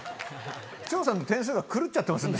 張さんの点数が狂っちゃってますね。